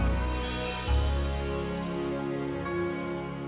eh maksudnya rin apa sih